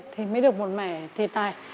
thì mới được một mẻ thịt này